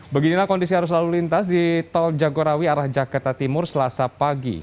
beginilah kondisi arus lalu lintas di tol jagorawi arah jakarta timur selasa pagi